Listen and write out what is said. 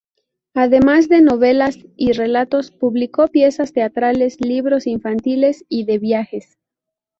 Además de novelas y relatos publicó piezas teatrales, libros infantiles y de viajes.